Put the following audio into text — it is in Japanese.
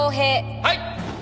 はい。